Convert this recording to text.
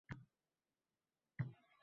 Bu yerda bo‘lsa, ko‘pgina masjidlar bor.